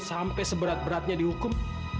sampai seberat beratnya dihukum